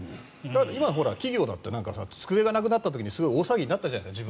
今は企業だって机がなくなった時大騒ぎになったじゃないですか。